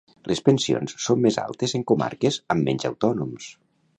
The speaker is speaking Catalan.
Les pensions són més altes en comarques amb menys autònoms.